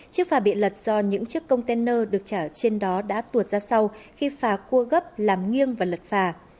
chiếc phà bị lật do những chiếc container được trả trên đó đã tuột ra sau khi phà cua gấp làm nghiêng và lật phà